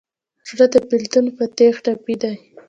زړه د بېلتون په تیغ ټپي دی.